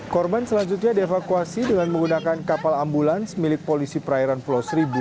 korban selanjutnya dievakuasi dengan menggunakan kapal ambulans milik polisi perairan pulau seribu